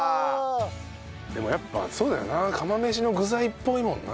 でもやっぱそうだよな釜飯の具材っぽいもんな。